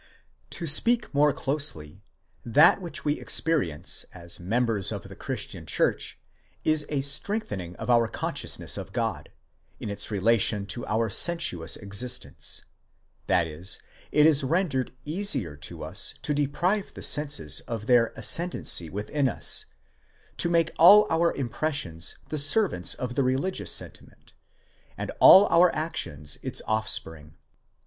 To speak more closely, that which we experience as members of the Christian church, is a strengthening of our consciousness of God, in its relation to our sensuous existence; that is, it is rendered easier to us to deprive the senses of their ascendancy within us, to make all our impressions the servants of the religious sentiment, and all our actions its offspring.